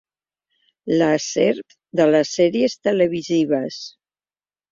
La serp de les sèries televisives.